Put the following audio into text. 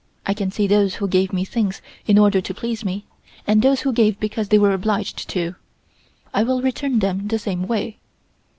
I can see those who gave me things in order to please me, and those who gave because they were obliged to. I will return them the same way."